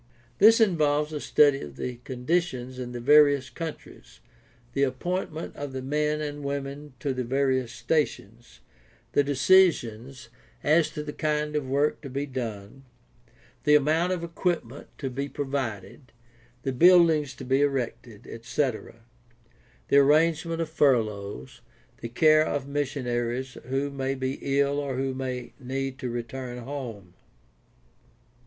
This involves a study of the conditions in the various countries, the appointment of the men and women to the various stations, the decisions as to the kind of work to be done, the amount of equipment to be provided, the buildings to be erected, etc., the arrangement of furloughs, the care of missionaries who may be ill or who may need to return home.